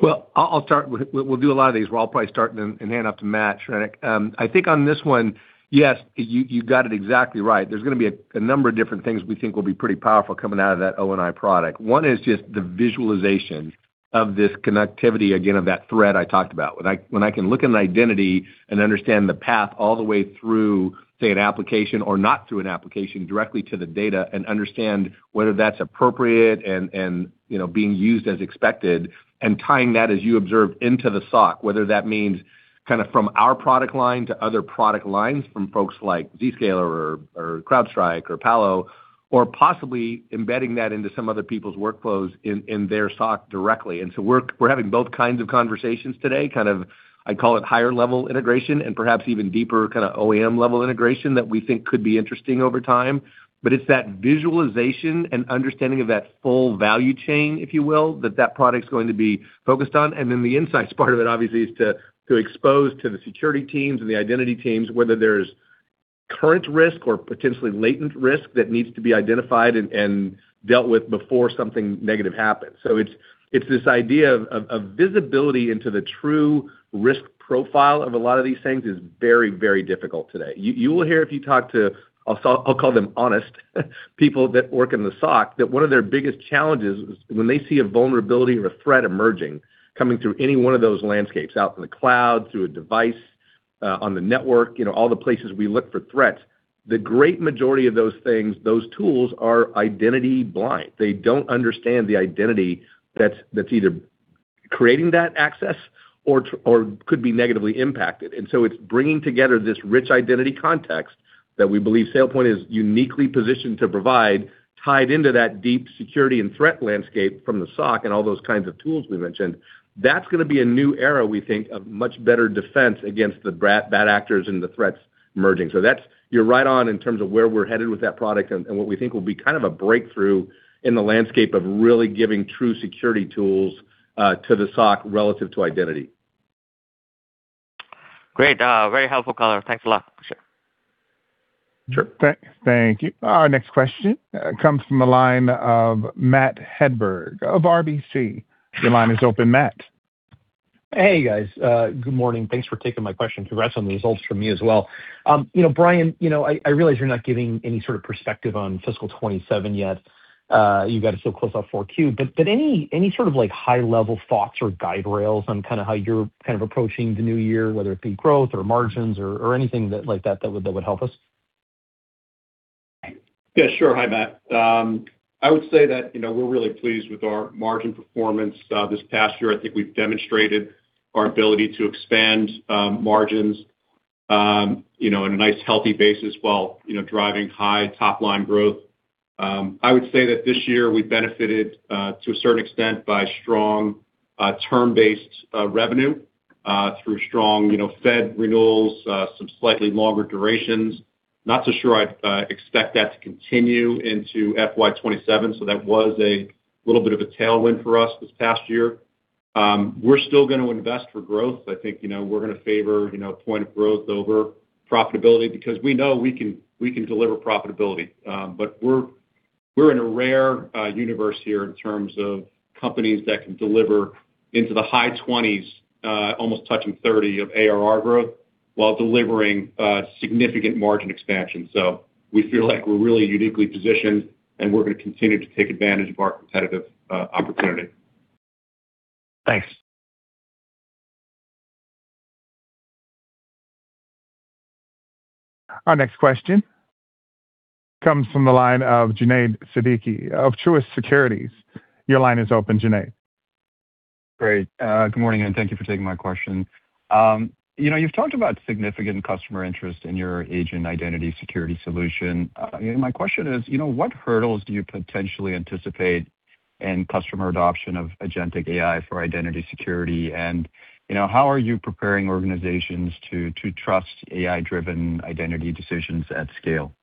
Well, I'll start with. We'll do a lot of these. We're all probably starting in hand up to Matt, Shrenik. I think on this one, yes, you got it exactly right. There's going to be a number of different things we think will be pretty powerful coming out of that O&I product. One is just the visualization of this connectivity, again, of that thread I talked about. When I can look at an identity and understand the path all the way through, say, an application or not through an application directly to the data and understand whether that's appropriate and being used as expected and tying that, as you observed, into the SOC, whether that means kind of from our product line to other product lines from folks like Zscaler or CrowdStrike or Palo or possibly embedding that into some other people's workflows in their SOC directly. And so we're having both kinds of conversations today, kind of I call it higher-level integration and perhaps even deeper kind of OEM-level integration that we think could be interesting over time. But it's that visualization and understanding of that full value chain, if you will, that that product's going to be focused on. And then the insights part of it, obviously, is to expose to the security teams and the identity teams whether there's current risk or potentially latent risk that needs to be identified and dealt with before something negative happens. So it's this idea of visibility into the true risk profile of a lot of these things is very, very difficult today. You will hear if you talk to, I'll call them honest people that work in the SOC, that one of their biggest challenges is when they see a vulnerability or a threat emerging coming through any one of those landscapes, out in the cloud, through a device, on the network, all the places we look for threats. The great majority of those things, those tools are identity blind. They don't understand the identity that's either creating that access or could be negatively impacted. And so it's bringing together this rich identity context that we believe SailPoint is uniquely positioned to provide, tied into that deep security and threat landscape from the SOC and all those kinds of tools we mentioned. That's going to be a new era, we think, of much better defense against the bad actors and the threats emerging. So you're right on in terms of where we're headed with that product and what we think will be kind of a breakthrough in the landscape of really giving true security tools to the SOC relative to identity. Great. Very helpful, color. Thanks a lot. Sure. Sure. Thank you. Our next question comes from the line of Matt Hedberg of RBC. Your line is open, Matt. Hey, guys. Good morning. Thanks for taking my question. Congrats on the results from me as well. Brian, I realize you're not giving any sort of perspective on fiscal 2027 yet. You got to still close out 4Q. But any sort of high-level thoughts or guide rails on kind of how you're kind of approaching the new year, whether it be growth or margins or anything like that that would help us? Yeah. Sure. Hi, Matt. I would say that we're really pleased with our margin performance this past year. I think we've demonstrated our ability to expand margins on a nice healthy basis while driving high top-line growth. I would say that this year we benefited to a certain extent by strong term-based revenue through strong Fed renewals, some slightly longer durations. Not so sure I'd expect that to continue into FY 2027, so that was a little bit of a tailwind for us this past year. We're still going to invest for growth. I think we're going to favor point of growth over profitability because we know we can deliver profitability. But we're in a rare universe here in terms of companies that can deliver into the high 20s, almost touching 30 of ARR growth while delivering significant margin expansion. So we feel like we're really uniquely positioned, and we're going to continue to take advantage of our competitive opportunity. Thanks. Our next question comes from the line of Junaid Siddiqui of Truist Securities. Your line is open, Junaid. Great. Good morning, and thank you for taking my question. You've talked about significant customer interest in your agent identity security solution. My question is, what hurdles do you potentially anticipate in customer adoption of Agentic AI for identity security, and how are you preparing organizations to trust AI-driven identity decisions at scale?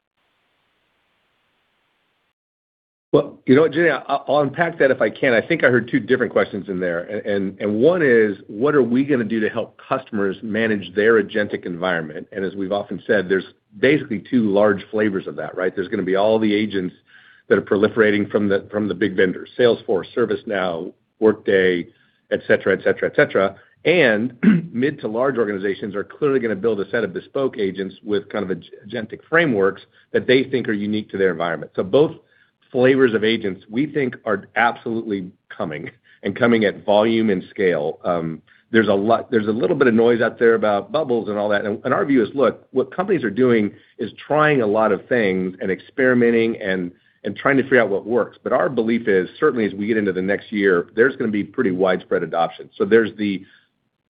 Well, Junaid, I'll unpack that if I can. I think I heard two different questions in there. And one is, what are we going to do to help customers manage their Agentic environment? And as we've often said, there's basically two large flavors of that, right? There's going to be all the agents that are proliferating from the big vendors, Salesforce, ServiceNow, Workday, etc., etc., etc. And mid to large organizations are clearly going to build a set of bespoke agents with kind of Agentic frameworks that they think are unique to their environment. So both flavors of agents, we think, are absolutely coming and coming at volume and scale. There's a little bit of noise out there about bubbles and all that. And our view is, look, what companies are doing is trying a lot of things and experimenting and trying to figure out what works. But our belief is, certainly, as we get into the next year, there's going to be pretty widespread adoption. So there's the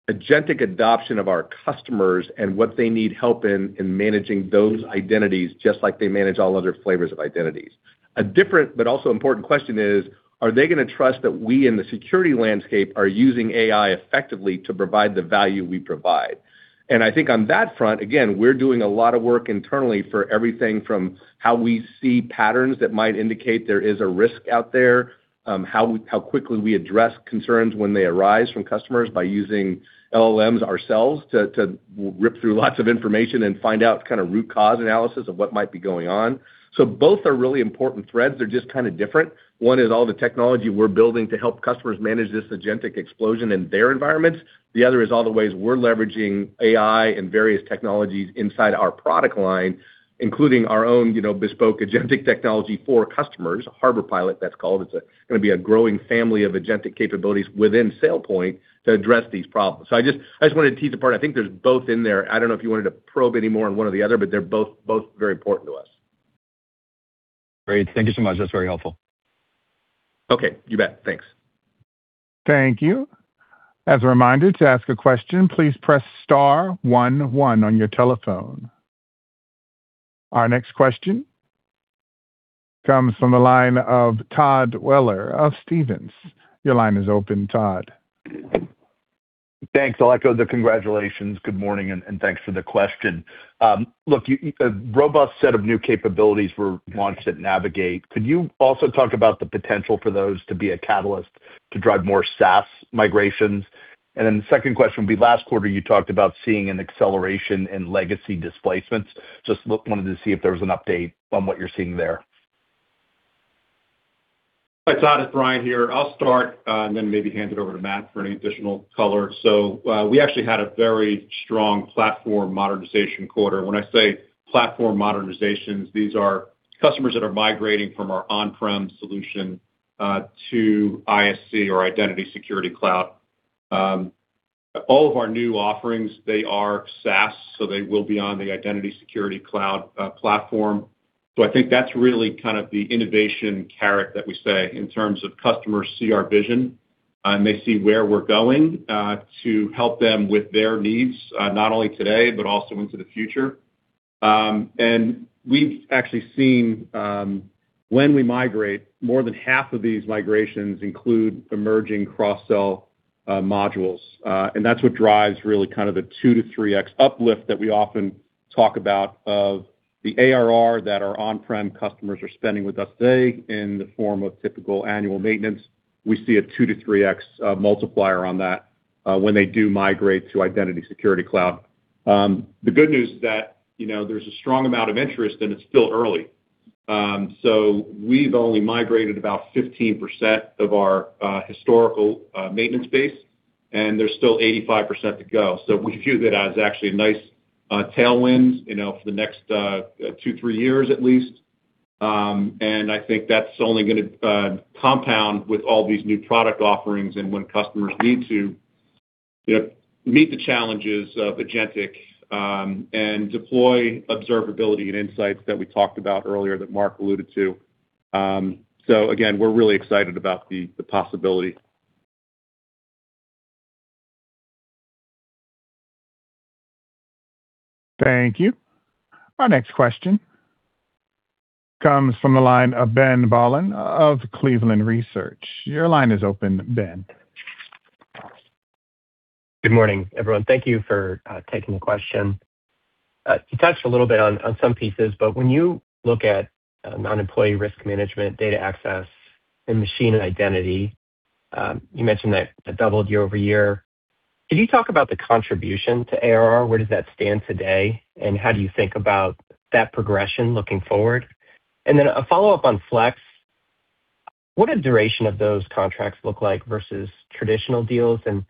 Agentic adoption of our customers and what they need help in managing those identities just like they manage all other flavors of identities. A different, but also important question is, are they going to trust that we in the security landscape are using AI effectively to provide the value we provide? And I think on that front, again, we're doing a lot of work internally for everything from how we see patterns that might indicate there is a risk out there, how quickly we address concerns when they arise from customers by using LLMs ourselves to rip through lots of information and find out kind of root cause analysis of what might be going on. So both are really important threads. They're just kind of different. One is all the technology we're building to help customers manage this Agentic explosion in their environments. The other is all the ways we're leveraging AI and various technologies inside our product line, including our own bespoke Agentic technology for customers, Harbor Pilot, that's called. It's going to be a growing family of Agentic capabilities within SailPoint to address these problems. So I just wanted to tease apart. I think there's both in there. I don't know if you wanted to probe any more on one or the other, but they're both very important to us. Great. Thank you so much. That's very helpful. Okay. You bet. Thanks. Thank you. As a reminder, to ask a question, please press star one one on your telephone. Our next question comes from the line of Todd Weller of Stephens. Your line is open, Todd. Thanks. I'll echo the congratulations. Good morning, and thanks for the question. Look, a robust set of new capabilities were launched at Navigate. Could you also talk about the potential for those to be a catalyst to drive more SaaS migrations? The second question would be, last quarter, you talked about seeing an acceleration in legacy displacements. Just wanted to see if there was an update on what you're seeing there. Hi, Todd. It's Brian here. I'll start and then maybe hand it over to Matt for any additional color. So we actually had a very strong platform modernization quarter. When I say platform modernizations, these are customers that are migrating from our on-prem solution to ISC or Identity Security Cloud. All of our new offerings, they are SaaS, so they will be on the Identity Security Cloud platform. So I think that's really kind of the innovation carrot that we say in terms of customers see our vision, and they see where we're going to help them with their needs, not only today, but also into the future. We've actually seen when we migrate, more than half of these migrations include emerging cross-sell modules. That's what drives really kind of the 2-3x uplift that we often talk about of the ARR that our on-prem customers are spending with us today in the form of typical annual maintenance. We see a 2-3x multiplier on that when they do migrate to Identity Security Cloud. The good news is that there's a strong amount of interest, and it's still early. So we've only migrated about 15% of our historical maintenance base, and there's still 85% to go. So we view that as actually a nice tailwind for the next two, three years at least. And I think that's only going to compound with all these new product offerings and when customers need to meet the challenges of Agentic and deploy observability and insights that we talked about earlier that Mark alluded to. So again, we're really excited about the possibility. Thank you. Our next question comes from the line of Ben Bollin of Cleveland Research. Your line is open, Ben. Good morning, everyone. Thank you for taking the question. You touched a little bit on some pieces, but when you look at Non-Employee Risk Management, data access, and machine identity, you mentioned that doubled year over year. Could you talk about the contribution to ARR? Where does that stand today, and how do you think about that progression looking forward? And then a follow-up on Flex. What does the duration of those contracts look like versus traditional deals, and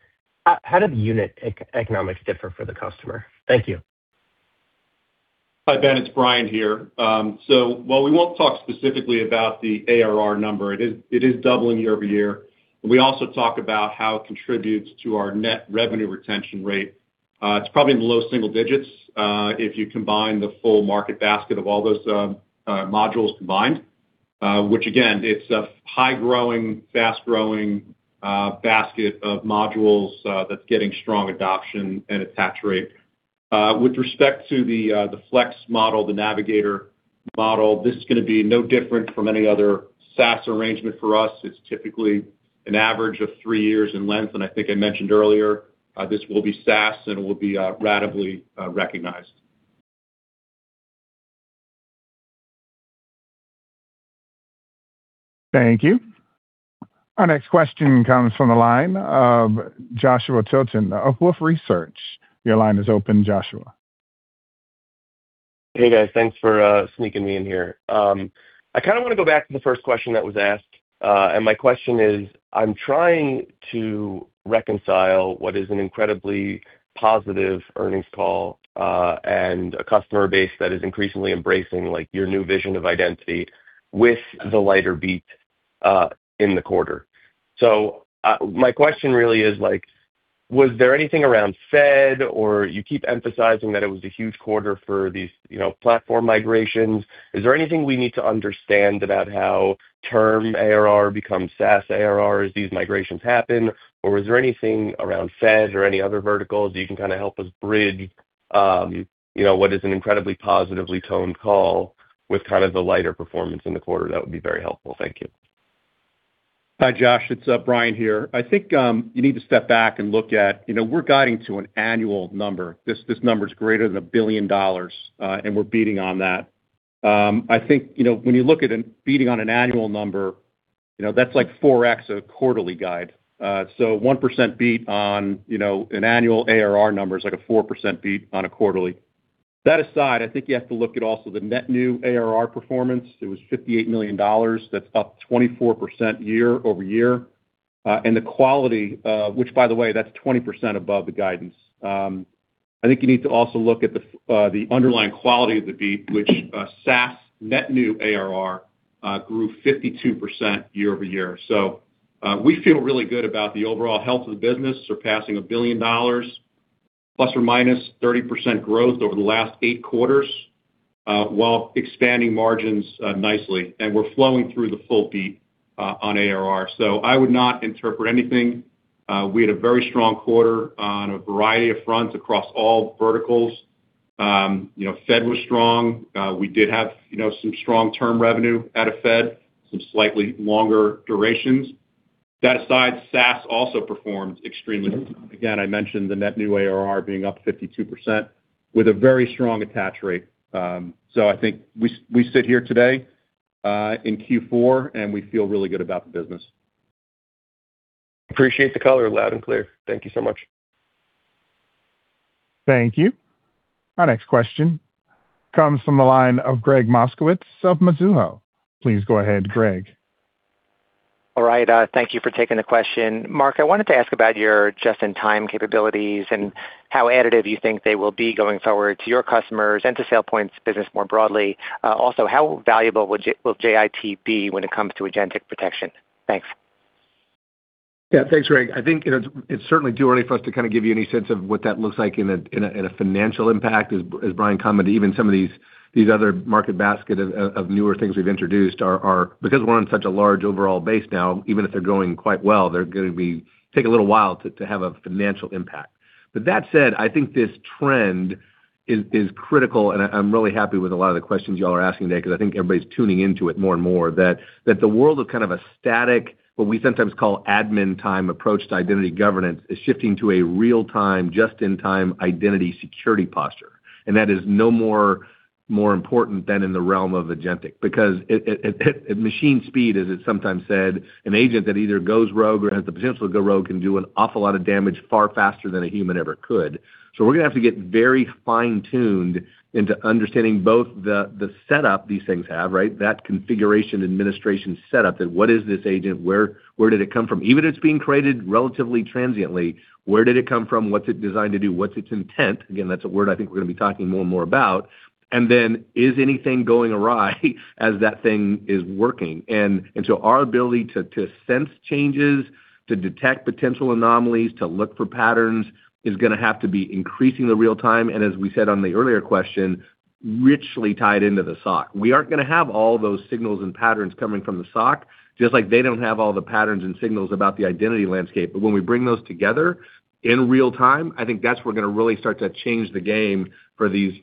how do the unit economics differ for the customer? Thank you. Hi, Ben. It's Brian here, so while we won't talk specifically about the ARR number, it is doubling year-over-year. We also talk about how it contributes to our net revenue retention rate. It's probably in the low single digits if you combine the full market basket of all those modules combined, which, again, it's a high-growing, fast-growing basket of modules that's getting strong adoption and attach rate. With respect to the Flex model, the Navigator model, this is going to be no different from any other SaaS arrangement for us. It's typically an average of three years in length, and I think I mentioned earlier, this will be SaaS, and it will be ratably recognized. Thank you. Our next question comes from the line of Joshua Tilton of Wolfe Research. Your line is open, Joshua. Hey, guys. Thanks for sneaking me in here. I kind of want to go back to the first question that was asked. And my question is, I'm trying to reconcile what is an incredibly positive earnings call and a customer base that is increasingly embracing your new vision of identity with the lighter beat in the quarter. So my question really is, was there anything around Fed or you keep emphasizing that it was a huge quarter for these platform migrations? Is there anything we need to understand about how term ARR becomes SaaS ARR as these migrations happen? Or is there anything around Fed or any other verticals that you can kind of help us bridge what is an incredibly positively toned call with kind of the lighter performance in the quarter? That would be very helpful. Thank you. Hi, Josh. It's Brian here. I think you need to step back and look at, we're guiding to an annual number. This number is greater than $1 billion, and we're beating on that. I think when you look at beating on an annual number, that's like 4x a quarterly guide. So 1% beat on an annual ARR number is like a 4% beat on a quarterly. That aside, I think you have to look at also the net new ARR performance. It was $58 million. That's up 24% year over year. And the quality, which, by the way, that's 20% above the guidance. I think you need to also look at the underlying quality of the beat, which SaaS net new ARR grew 52% year over year. So we feel really good about the overall health of the business, surpassing $1 billion, plus or minus 30% growth over the last eight quarters while expanding margins nicely. And we're flowing through the full beat on ARR. So I would not interpret anything. We had a very strong quarter on a variety of fronts across all verticals. Fed was strong. We did have some strong term revenue at a Fed, some slightly longer durations. That aside, SaaS also performed extremely well. Again, I mentioned the net new ARR being up 52% with a very strong attach rate. So I think we sit here today in Q4, and we feel really good about the business. Appreciate the color loud and clear. Thank you so much. Thank you. Our next question comes from the line of Gregg Moskowitz of Mizuho. Please go ahead, Gregg. All right. Thank you for taking the question. Mark, I wanted to ask about your just-in-time capabilities and how additive you think they will be going forward to your customers and to SailPoint's business more broadly. Also, how valuable will JIT be when it comes to Agentic protection? Thanks. Yeah. Thanks, Gregg. I think it's certainly too early for us to kind of give you any sense of what that looks like in a financial impact, as Brian commented. Even some of these other market baskets of newer things we've introduced are, because we're on such a large overall base now, even if they're going quite well, they're going to take a little while to have a financial impact. But that said, I think this trend is critical, and I'm really happy with a lot of the questions you all are asking today because I think everybody's tuning into it more and more, that the world of kind of a static, what we sometimes call admin-time approach to identity governance is shifting to a real-time, just-in-time identity security posture. And that is no more important than in the realm of Agentic because at machine speed, as it's sometimes said, an agent that either goes rogue or has the potential to go rogue can do an awful lot of damage far faster than a human ever could. So we're going to have to get very fine-tuned into understanding both the setup these things have, right? That configuration administration setup, that what is this agent? Where did it come from? Even if it's being created relatively transiently, where did it come from? What's it designed to do? What's its intent? Again, that's a word I think we're going to be talking more and more about. And then is anything going awry as that thing is working? And so our ability to sense changes, to detect potential anomalies, to look for patterns is going to have to be increasingly real-time. And as we said on the earlier question, richly tied into the SOC. We aren't going to have all those signals and patterns coming from the SOC, just like they don't have all the patterns and signals about the identity landscape. But when we bring those together in real-time, I think that's where we're going to really start to change the game for these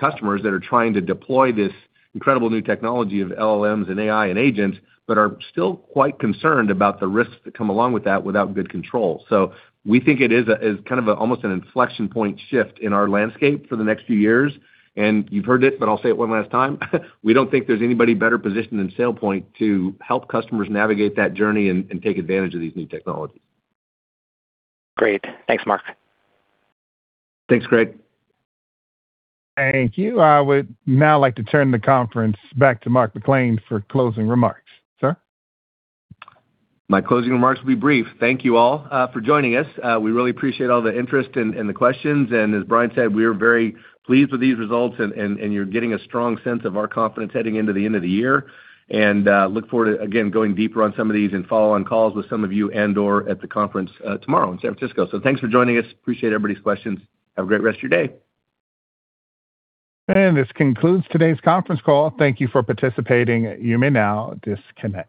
customers that are trying to deploy this incredible new technology of LLMs and AI and agents, but are still quite concerned about the risks that come along with that without good control. So we think it is kind of almost an inflection point shift in our landscape for the next few years. And you've heard it, but I'll say it one last time. We don't think there's anybody better positioned than SailPoint to help customers navigate that journey and take advantage of these new technologies. Great. Thanks, Mark. Thanks, Greg. Thank you. I would now like to turn the conference back to Mark McClain for closing remarks. Sir? My closing remarks will be brief. Thank you all for joining us. We really appreciate all the interest and the questions. And as Brian said, we are very pleased with these results, and you're getting a strong sense of our confidence heading into the end of the year. And look forward to, again, going deeper on some of these and follow-on calls with some of you and/or at the conference tomorrow in San Francisco. So thanks for joining us. Appreciate everybody's questions. Have a great rest of your day. And this concludes today's conference call. Thank you for participating. You may now disconnect.